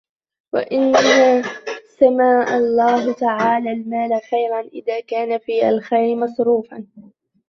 وَإِنَّمَا سَمَّى اللَّهُ تَعَالَى الْمَالَ خَيْرًا إذَا كَانَ فِي الْخَيْرِ مَصْرُوفًا